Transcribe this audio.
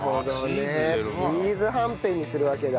チーズはんぺんにするわけだ。